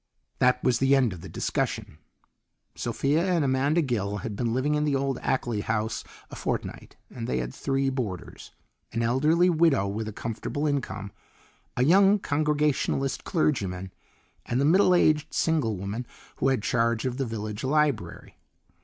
That was the end of the discussion. Sophia and Amanda Gill had been living in the old Ackley house a fortnight, and they had three boarders: an elderly widow with a comfortable income, a young congregationalist clergyman, and the middle aged single woman who had charge of the village library.